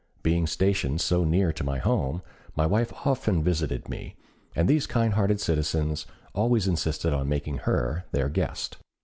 Being stationed so near to my home, my wife often visited me, and these kind hearted citizens always insisted on making her their guest.